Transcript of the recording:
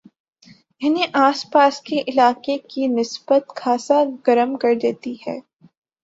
انہیں آس پاس کے علاقے کی نسبت خاصا گرم کردیتی ہے